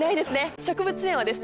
植物園はですね